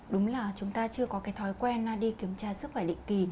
đúng là chúng ta chưa có cái thói quen đi kiểm tra sức khỏe định kỳ